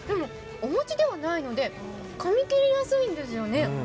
お餅ではないので、かみ切りやすいんですよね。